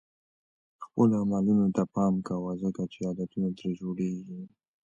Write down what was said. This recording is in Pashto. خپلو عملونو ته پام کوه ځکه چې عادتونه ترې جوړېږي.